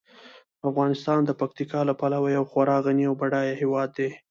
افغانستان د پکتیکا له پلوه یو خورا غني او بډایه هیواد دی.